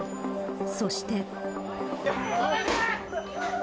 そして。